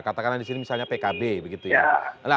katakanlah disini misalnya pkb begitu ya